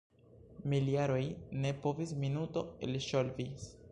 Miljaroj ne povis - minuto elŝovis.